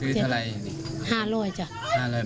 ซื้อเท่าไร